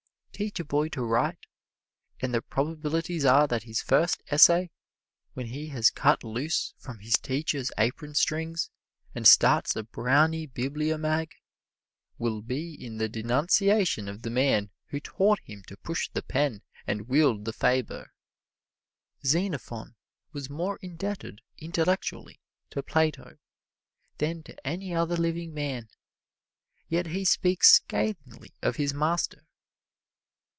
Teach a boy to write, and the probabilities are that his first essay, when he has cut loose from his teacher's apron strings and starts a brownie bibliomag, will be in denunciation of the man who taught him to push the pen and wield the Faber. Xenophon was more indebted, intellectually, to Plato than to any other living man, yet he speaks scathingly of his master.